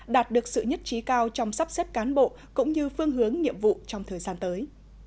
đạt được sự nhất trí cao trong sắp xếp cán bộ cũng như phương hướng nhiệm vụ trong thời gian tới